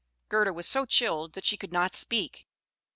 Gerda was so chilled that she could not speak.